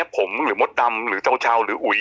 ผมหรือมดดำหรือเจ้าหรืออุ๋ย